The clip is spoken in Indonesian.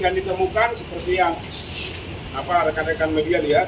yang ditemukan seperti yang rekan rekan media lihat